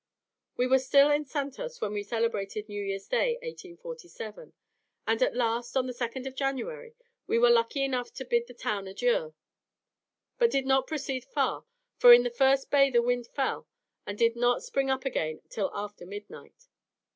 We were still in Santos when we celebrated New Year's Day, 1847, and at last, on the 2nd of January, were lucky enough to bid the town adieu; but did not proceed far, for in the first bay the wind fell, and did not spring up again till after midnight.